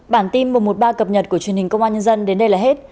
bản tin một trăm một mươi ba cập nhật của truyền hình công an nhân dân đến đây là hết